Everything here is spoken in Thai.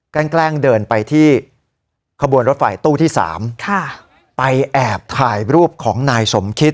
แกล้งแกล้งเดินไปที่ขบวนรถไฟตู้ที่สามค่ะไปแอบถ่ายรูปของนายสมคิด